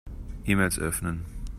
E-Mails öffnen.